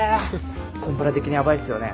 コンプラ的にヤバいっすよね？